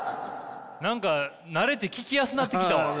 何か慣れて聞きやすなってきたわ。